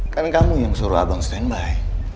kan kamu yang suruh abang stand by